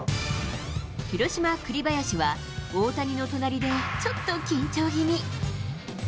広島、栗林は大谷の隣でちょっと緊張気味。